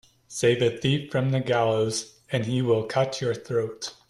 Save a thief from the gallows and he will cut your throat.